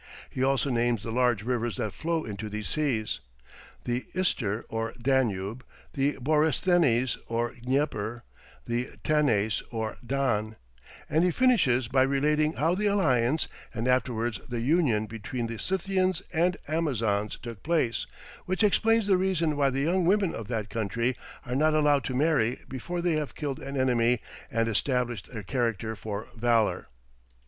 He also names the large rivers that flow into these seas. The Ister or Danube, the Borysthenes or Dnieper, the Tanais, or Don; and he finishes by relating how the alliance, and afterwards the union between the Scythians and Amazons took place, which explains the reason why the young women of that country are not allowed to marry before they have killed an enemy and established their character for valour.